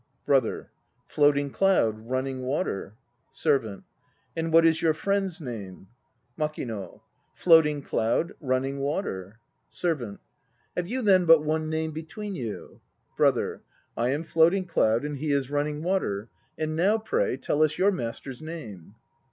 BROTHER. Floating Cloud; Running Water. SERVANT. And what is your friend's name? MAKING. Floating Cloud; Running Water. THE HOKA PRIESTS 169 SERVANT. Have you then but one name between you? BROTHER. I am Floating Cloud and he is Running Water. And now, pray, tell us your master's name.